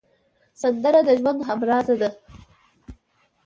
سندره د ژوند همراز ده